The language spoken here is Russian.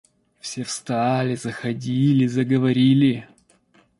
Все встали, заходили, заговорили.